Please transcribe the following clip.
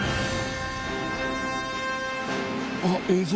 あっ映像